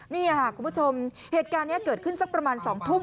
นี่ค่ะคุณผู้ชมเหตุการณ์นี้เกิดขึ้นสักประมาณ๒ทุ่ม